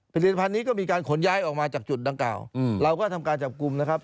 ผลิตภัณฑ์นี้ก็มีการขนย้ายออกมาจากจุดดังกล่าวเราก็ทำการจับกลุ่มนะครับ